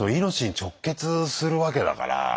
命に直結するわけだから。